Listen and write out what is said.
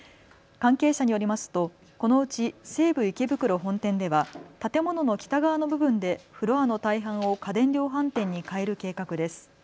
関係者によりますとこのうち西武池袋本店では建物の北側の部分でフロアの大半を家電量販店に変える計画です。